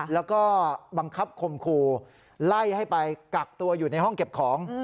แล้วก็บังคับคมคู่ไล่ให้ไปกักตัวอยู่ในห้องเก็บของ